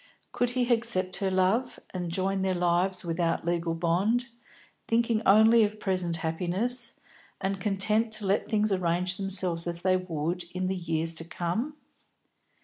Could he accept her love, and join their lives without legal bond, thinking only of present happiness, and content to let things arrange themselves as they would in the years to come?